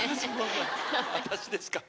「私ですか？」。